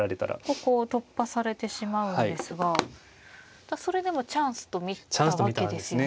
ここを突破されてしまうんですがそれでもチャンスと見たわけですよね。